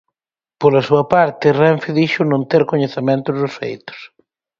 Pola súa parte, Renfe dixo non ter coñecemento dos feitos.